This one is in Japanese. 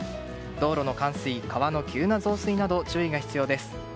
道路の冠水、川の急な増水など注意が必要です。